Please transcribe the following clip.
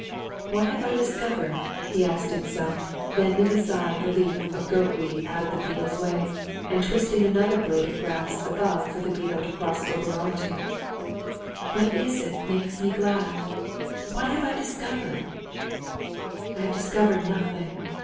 "What have I discovered?" he asked himself, bending aside the leaf of goat weed out of the beetle's way and twisting another blade of grass above for the beetle to cross over onto it. "What is it makes me glad? What have I discovered? "I have discovered nothing.